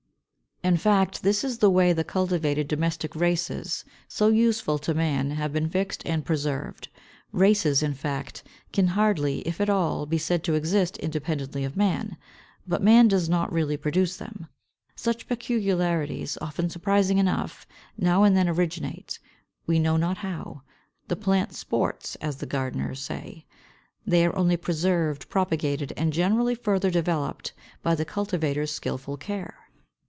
In fact, this is the way the cultivated domesticated races, so useful to man, have been fixed and preserved. Races, in fact, can hardly, if at all, be said to exist independently of man. But man does not really produce them. Such peculiarities often surprising enough now and then originate, we know not how (the plant sports, as the gardeners say); they are only preserved, propagated, and generally further developed, by the cultivator's skilful care.